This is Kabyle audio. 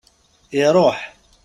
Iruḥ.